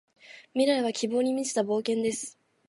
未来は希望に満ちた冒険です。